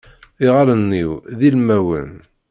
Iɣallen-iw d ilmawen.